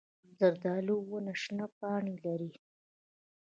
زردالو ونه شنه پاڼې لري.